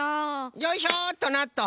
よいしょ！っとなっと！